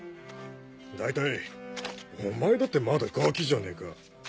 大体お前だってまだガキじゃねえか。